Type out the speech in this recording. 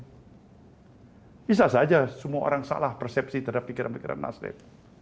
tidak bisa saja semua orang salah persepsi terhadap pikiran pikiran nasdem